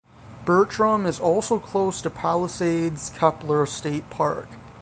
Bertram is also close to Palisades-Kepler State Park.